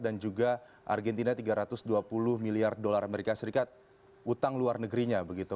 dan juga argentina tiga ratus dua puluh miliar dolar amerika serikat utang luar negerinya begitu